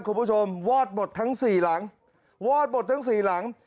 วอดหมดทั้งสี่หลังวอดหมดทั้งสี่หลัง